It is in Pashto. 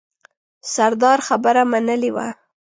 سردار خبره منلې وه.